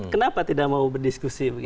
kenapa tidak mau berdiskusi